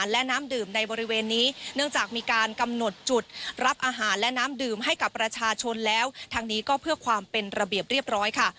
และน้ำดื่มให้กับประชาชนแล้วทางนี้ก็เพื่อความเป็นระเบียบเรียบร้อยค่ะ